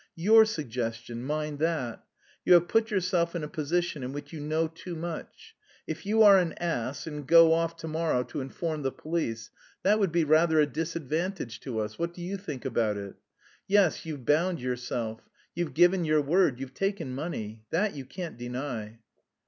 your suggestion, mind that! You have put yourself in a position in which you know too much. If you are an ass and go off to morrow to inform the police, that would be rather a disadvantage to us; what do you think about it? Yes, you've bound yourself; you've given your word, you've taken money. That you can't deny...."